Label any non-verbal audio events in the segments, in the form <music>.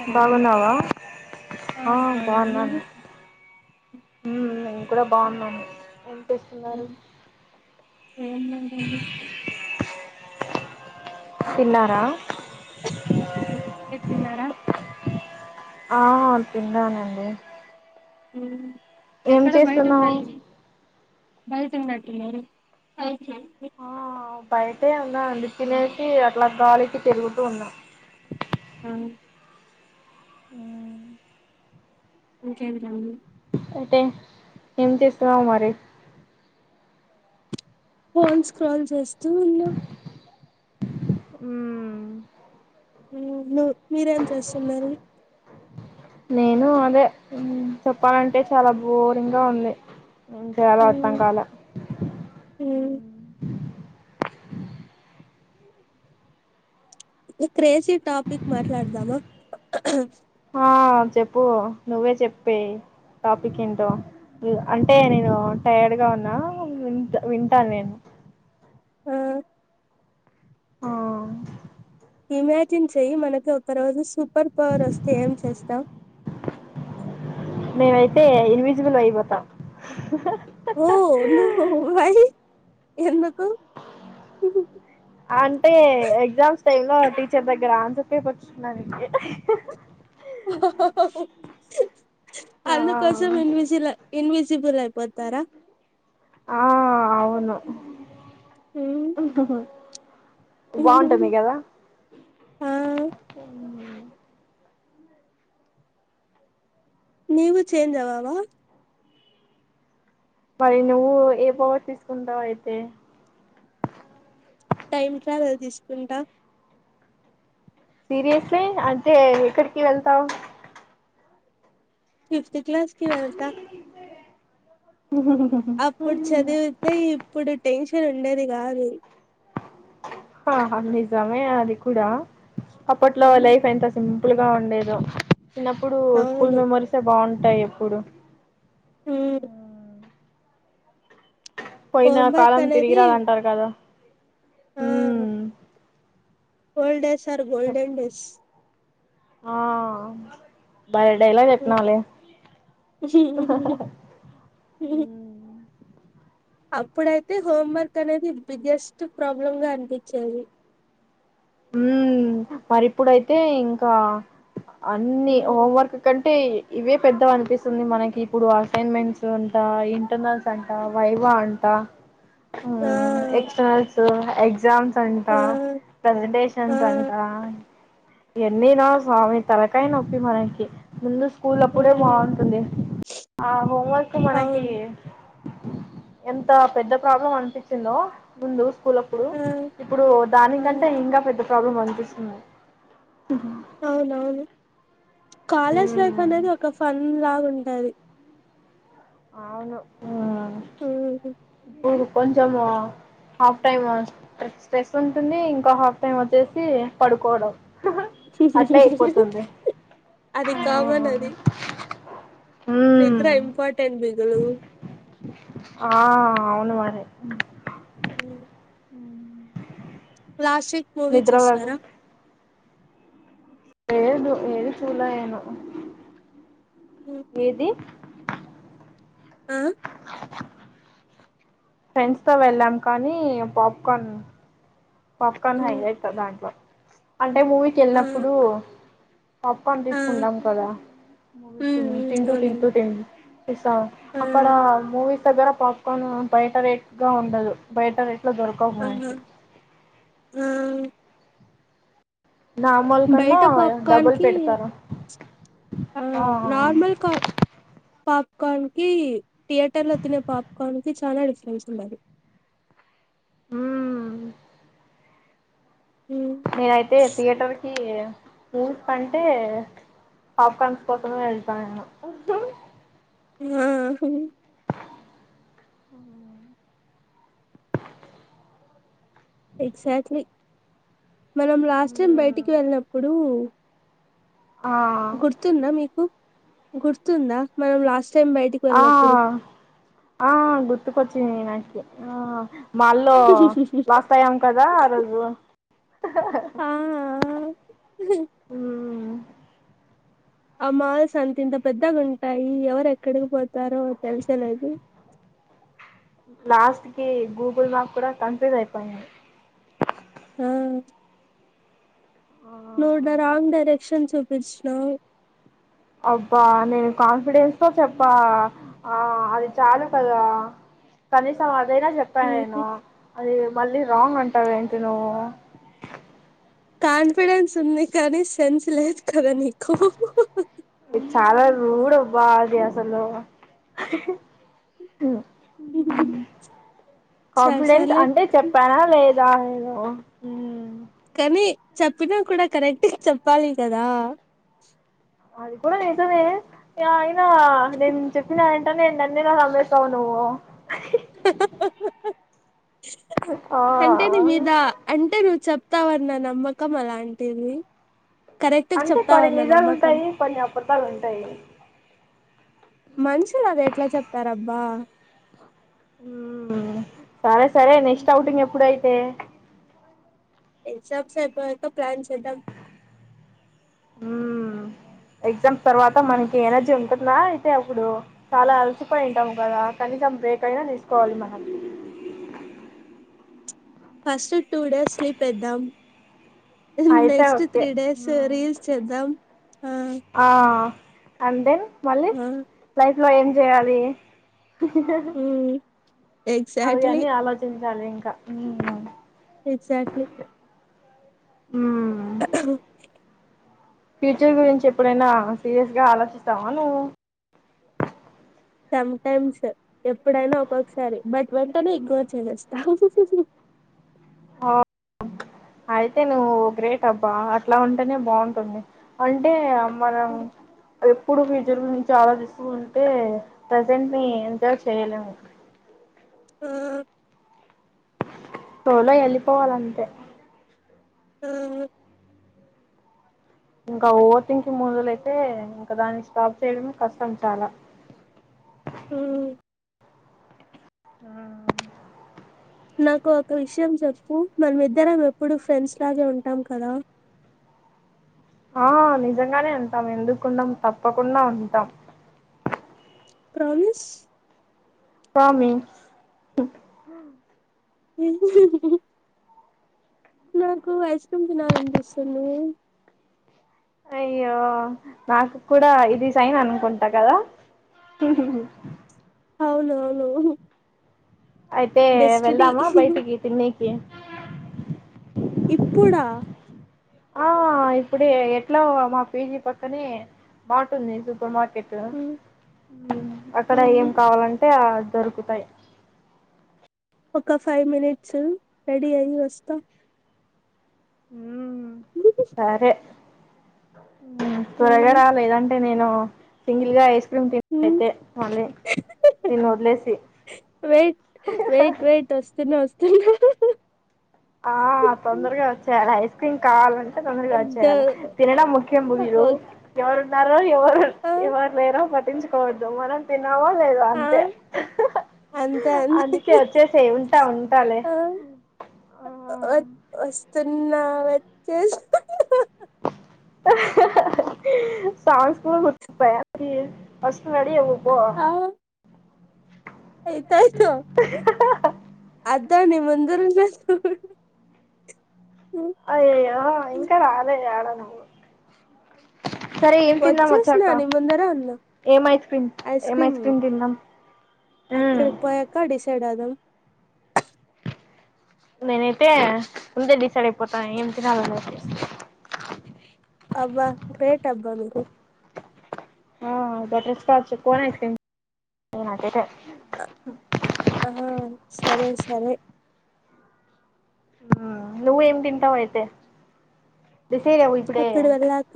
సరే అండి బాగున్నావా ఆ బాగున్నా మీరు బోన్నాను మ్మ్ నేను కూడా బాగున్నాను ఏంచేస్తున్నారు ఏముంటాయి తిన్నారా <unintelligible> మీరు తిన్నారా ఆ తిన్నమండి మ్మ్ ఎక్కడ బయట ఉన్నరు బయట ఉన్నట్టున్నారు ఆ బయటే ఉన్నాండి తినేసి అట్లా గాలికి తిరుగుతూ ఉన్నా ఆ ఆ ఇంకేంటండి అంటే ఏం చేస్తునవ్ మరి ఫోన్ స్క్రోల్ చేస్తూ ఉన్నా ఉమ్ నువ్ మీరేం చేస్తున్నారు నేను అదే చెప్పాలంటే చాలా బోరింగ్ గా ఉంది ఏం చేయాలో అర్ధం కాలే మ్మ్ క్రేజీ టాపిక్ మాట్లాడదమా ఆ చెప్పు నువ్వే చెప్పేయి టాపిక్ ఏంటో అంటే నేను టైడ్ గా ఉన్నా వి వింటాను నేను ఆ ఆ ఇమేజనీ చెయ్యి మనకి ఒకరోజు సూపర్ పవర్ వస్తే ఏం చేస్తావ్ నేనయితే ఇన్విజిబుల్ అయిపోతా ఓ నువు వై ఎందుకు అంటే ఎగ్జామ్స్ టైమ్ లో టీచర్ దగ్గర ఆన్సర్ పేపర్స్ చుడానికి ఓహో ఆ అందుకోసం ఇన్విజిల ఇన్విజిబుల్ అయిపోతారా ఆ అవును బొంటుంది కదా ఆ నీవు చేంజెవ్వావా మరి నువ్వు ఏ పవర్ తీసుకుంటావయితే టైమ్ ట్రావెల్ తీసుకుంటా సీరియస్లీ అంటే ఎక్కడికి వెళ్తావు ఫిఫ్త్ క్లాస్కి వెల్తా అప్పుడు చదివితే ఇప్పుడు టెన్షన్ ఉండేది కాదు అహ నిజమే అది కూడా అప్పట్లో ఉమ్, లైఫ్ ఎంత సిం ప్పుల్గా ఉండేదో చిన్నప్పుడు స్కూల్ అవును మెమోరీసే బాగుంటాయి ఇప్పుడు మ్ పోయినా హోంవర్క్ కాలం అనేది తిరిగరాదంటారు కదా ఆ ఉమ్ ఓల్డ్ డేస్ ఆర్ చెప్ గోల్డెన్ డేస్ ఆ భలే డైలాగ్ చెప్పినావు లే అప్పుడైతే హోంవర్క్ అనేది బిగ్గెస్ట్ ప్రాబ్లమ్ గా అనిపించేది మ్ మరిప్పుడైతే ఇంకా ఆ అన్ని హోంవర్క్ కం అంటే ఇవే పెద్దగ అనిపిస్తుంది మనకి ఇప్పుడు అసైన్మెంట్స్ అంటా ఇంటర్నల్స్ అంట వైవ వ అంటా ఆ మ్ ఎక్స్టర్నల్స్ ఎగ్జామ్స్ అంటా ఆ ఆ డేేశన్స్ అంటా ఎన్నిరా స్వామి తలకాయ నొప్పి మనకి ముందు స్కూల్ అప్పుడే ఉమ్, బాగుంటుంది ఆ హోంవర్క్ మనకి అవును ఎంత పెద్ద ప్రాబ్లం అనిపించిందో ముందు స్కూల్ అప్పుడు ఆ ఇప్పుడు ఆ దానికం పెద్ద ప్రాబ్లమ్ అనిపిస్తుంది అవునవును కాలేజ్ లైఫ్ అనేది ఒక ఫన్ లాగుంటది అవును అ ఉమ్. ఇప్పుడు కొంచము హాఫ్ టైమ్ ట్రే స్ట్రెస్ ఉంటుంది ఇంకా హాఫ్ టైమ్ వచ్చేసి పడుకోవడం అట్లే అయిపోతుంది అది ఆ కామన్ అది నిద్ర ఉమ్ ఇంపార్టెంట్ బిదు ఆ అవును మరి మ్ మ్ లాస్ట్ వీక్ మూవీ చూసారా లేదు ఏది చూళ్ళే నేను ఉమ్. ఏది ఆ ఫ్రెండ్స్ తో వెళ్ళాం కానీ పాప్కార్న్ పాప్కార్న్ ఉమ్. హైలెట్ దాంట్లో అంటే ఆ మూవీకేళ్ళినప్పుడు పాప్కాన్ ఆ తీసుకుంటాం కదా మూవికి ఉమ్ ఉమ్ తింటూ తింటూ అవునండి తింటూ స్త ఆ అక్కడ మూవీస్ దగ్గర పాప్కార్న్ బయట రట్ గా ఉండదు బయట త్ దొరకవు ఆహా మనకి ఆ నార్మల్ కన్నా బయట డబుల్ పాప్కాన్కి పెడతారు ఆ నార్మల్ కా పాప్కార్న్ కి థియేటర్ లో తినే పాప్కార్న్ కి చాలా డిఫరెన్స్ ఉండాలి నినైతే థియేటర్ కి మూవీస్ కంటే పాప్కార్న్ కోసమే వెళ్తా నేను ఆ ఉ ఎగ్జాక్ట్లీ మనం లాస్ట్ టైం బయటికి వెళ్ళినప్పుడు ఆ గుర్తుందా మీకు గుర్తుందా మనం లాస్ ఆ ఆ గుర్ గుర్తుకొచ్చింది నాకి ఆహ్ మాల్లో వాస్తావమే కదా ఆ రోజు. ఆ ఉమ్. ఆహ్ మాల్స్ అంత ఇంత పెద్దగ ఉంటాయి ఎవరు ఎక్కడికి పోతారో తెలుస నీకు. లాస్ట్ కి గూగుల్ మ్యాప్ కూడా కన్ఫ్యూజ్ అయిపోయినయి. ఉమ్. నువ్వు కూడా రాంగ్ డైరెక్షన్ చూపించినవు. అబ్బా నేను కాన్ఫిడెన్స్ తో చెప్పా ఆహ్ అది చాలు కదా. కనీసం అ పోయినా చెప్పానెను అది మళ్ళీ రాంగ్ అంటావెంటి నువ్వు కాన్ఫిడెన్స్ ఉంది కానీ సెన్స్ లేదు కదా నీకు ఇది చాలా రూడ్ అబ్బా అది అసలు మ్ సరే కాన్ఫిడెన్స్ సర్లే అంటే చెప్పానా లేద్ చ <unintelligible> మ్ కనీ చెప్పినా కూడా కరెక్ట్ గా చెప్పాలి కదా అది కూడా నిజమే అయినా నేను చెప్పినా అంటే నేను నన్నే నా నమ్మస్తావు నువ్వు అంటే మీ ఆ మీద అంటే నువ్వు చెప్తావన్న నమ్మకం అలాంటిది కరెక్ట్‌గా అంటే కొన్ని చెప్తావన్న నమ్మకం. నిజాలుంటాయి కొన్నీ అబద్ధాలుంటాయి మనుషులు అదెట్లా చెప్తారబ్బా ఉమ్ సరే సరే నెస్ట్ ఔటింగ్ ఎప్పుడైతే <unintelligible> ప్లాన్ చేద్దాం ఉమ్ ఎగ్జామ్స్ తర్వాత మనకి ఎనర్జీ ఉంటుందా అయితే అప్పుడు చాలా అలసిపోయింటాము కదా కనీసం రేకైనా తీసుకోవాలి మనం ఫస్ట్ టూ డేస్ స్లిపేద్దాం. అయితే next okay three days reels చేద్దాం ఆ ఆ అండ్ దెన్ మళ్ళీ ఆ! లైఫ్ లో ఏం చేయాలి హ్మ్. అవి ఎగ్జాక్ట్‌లీ. అన్నీ ఆలోచించాలింకా ఎక్జాక్ట్లీ ఉమ్ ఫ్యూచర్ గురించి ఎప్పుడైనా సీరియస్ గా ఆలోచిస్తావా నువ్వు సటైమ్స్ ఎప్పుడైనా ఒక్కొక్కసారి బట్ వెంటనే ఇగ్నోర్ చేసేస్త ఓ అయితే నువ్వు గ్రేట్ అబ్బా అట్లా ఉంటేనే బాగుంటుంది. అంటే మనం ఎప్పుడు ఫ్యూచర్ గురించి ఆలోచిస్తూ ఉంటే ప్రజెంట్ని ఎంజాయ్ చేయలేము ఆ ఫ్లోలో వెళ్ళిపోవాలంతే ఆ ఇంకా ఓవర్థింకింగ్ మొదలైతే ఇంక దాన్ని స్టాప్ చేయడమే కష్టం చాలా హ్మ్. ఆ నాకు ఒక విషయం చెప్పు మనమిద్దరం ఎప్పుడు ఫ్రెండ్స్ లాగే ఉంటాం కదా ఆ నిజంగానే ఉంటాం ఎందుకున్డం తప్పకుండా ఉంటాం ప్రామిస్ ప్రామి నాకు ఐస్ క్రీమ్ తినాలనిపిస్తుంది అయ్యో నాకు కూడా ఇది సైన్ అనుకుంటా కదా అవునవును అయితే డెస్టినీ వెళ్దామా బయటికి తిన్నీకి ఇప్పుడా ఆ ఇప్పుడే ఎట్లాగో మా పీజీ పక్కనే మార్ట్ ఉంది సూపర్ మార్కెట్ హ్మ్ ర్టు అక్కడ ఏం హ్మ్ కావాలంటే ఆ దొరుకుతాయ్ ఒక ఫైవ్ మినిట్సు రెడీ అయ్యి వస్తా ఉమ్ సరే త్వరగా హ్మ్ రా లేదంటే నేను సింగిల్ గా ఐస్ క్రీమ్ తిన హ్మ్ అయితే మళ్ళీ నిన్ను ఒదిలేసి వెయిట్ వెయిట్ వెయిట్ వస్తున్నా వస్తున్నా ఆ తొందరగా వచ్చేయాల ఐస్ క్రీమ్ కావాలె తొందరగా పెద్ద వచ్చేయాల తినడం ముఖ్యం ముగిదు ఓ ఎవరున్నారో ఎవరు ఆ ఎవరు లేరో పట్టించుకోవద్దు మనం తిన్నామాలేద ఆ అంతే అహ్హ్ హ అంతే అంతే అందుకే ఒచ్చేసేయ్ ఉంటా ఉంటలే వొ వస్తున్నా వచ్చేస్తున్న ఊహ్హ్హ్ సాంగ్స్ కూడా గుర్తు పోయ అది ఫస్ట్ రెడీ అవ్వు బో ఆయితయత అద్దా ని ముందర అయ్యేయొ ఇంకా రాలేదె యడ నువ్వు సరే ఏం తిందాం వచ్చేసిన వచ్చాక నీ ముందర ఉన్నా ఏం ఐస్ క్రీమ్ ఏం ఐస్ క్రీమ్ తిందాం అక్కడికి పోయాక డిసైడ్ఐదాం హ నేనైతె ముందే డిసైడైపోతాను ఏం తినాలనేది అబ్బా గ్రేటబ్బ మీరు ఆ బటర్ స్కచ్ కోన్ ఐస్క్రీమ్ ఆ కోకో హ ఆ సరే సరే ఉ నువ్వేం తింటావైతే అయితే డిసైడ్ ఇప్పుడే అక్కడ వెళ్ళాక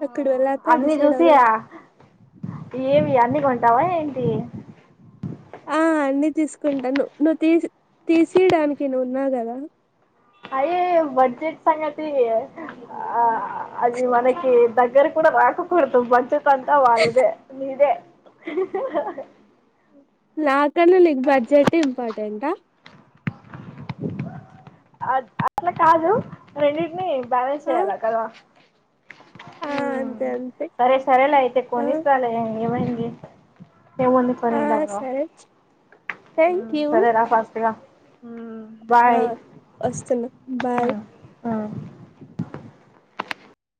ఊ అక్కడ వెళ్ళాక అన్ని డిసైడ్ చూసి అవుదాం ఆ ఏమి అన్ని కొ టామ ఏంటి? ఆ అన్ని తీసుకుంట ను నువ్వు తీసి తీసి యడానికి నువు ఉన్నావుకదా? అయ్యొయ బడ్జెట్ సంగతి అ అది మనకి దగ్గర కూడా రాకపోతు మంచ క అంతా వాళ్ళదే మీదే హిహ్హ్హ్ నాకన్నా నీకు బడ్జెట్ ఇంపార్టెంటా అ అట్లా కాదు రెండింటినీ బ్యాలెన్సు ఆ చేయాలా కదా ఆ హుమ్ అంతే అంతే సరే సరేలే అయితే ఆ కొన్నిస్తాలే ఎ ఏమైంది. ఆ ఏవందిపరిందామలో సరే ఉమ్ థ్యాంక్ సరేరా ఫాస్ట్ గా మ్ హా వస్తల్ బాయ్ హమ్